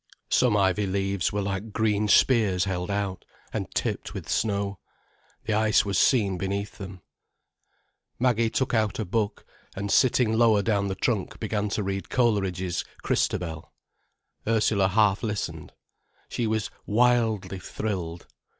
Some ivy leaves were like green spears held out, and tipped with snow. The ice was seen beneath them. Maggie took out a book, and sitting lower down the trunk began to read Coleridge's "Christabel". Ursula half listened. She was wildly thrilled.